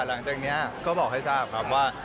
หลังจากนี้ก็บอกให้ทราบครับว่า